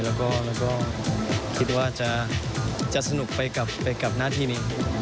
แล้วก็คิดว่าจะสนุกไปกับหน้าที่นี้